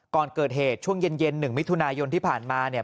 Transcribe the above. ก่อนเกิดเหตุช่วงเย็น๑มิถุนายนที่ผ่านมาเนี่ย